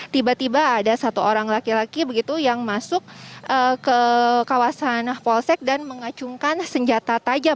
tiba tiba ada satu orang laki laki begitu yang masuk ke kawasan polsek dan mengacungkan senjata tajam